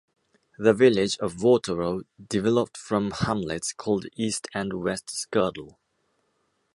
The village of Waterrow developed from hamlets called east and west Skirdle.